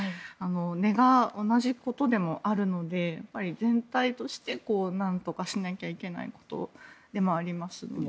根が同じことでもあるので全体として何とかしなきゃいけないことでもありますので。